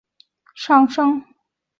后因资源枯竭而导致失业率上升。